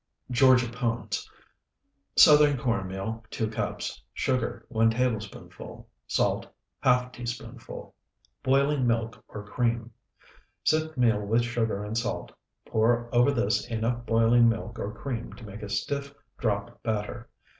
GEORGIA PONES Southern corn meal, 2 cups. Sugar, 1 tablespoonful. Salt, ½ teaspoonful. Boiling milk or cream. Sift meal with sugar and salt. Pour over this enough boiling milk or cream to make a stiff drop batter.